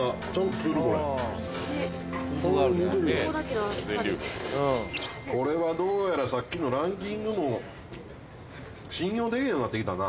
これはどうやらさっきのランキングも信用できへんようなってきたな。